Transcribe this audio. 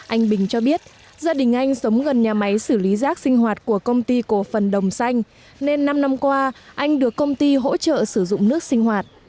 anh bình cho biết gia đình anh sống gần nhà máy xử lý rác sinh hoạt của công ty cổ phần đồng xanh nên năm năm qua anh được công ty hỗ trợ sử dụng nước sinh hoạt